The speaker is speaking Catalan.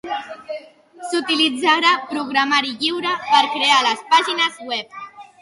S'utilitzarà programari lliure per crear les pàgines web.